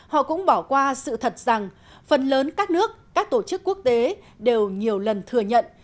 họ cũng bỏ qua sự thật rằng phần lớn các nước các tổ chức quốc tế đều nhiều lần thừa nhận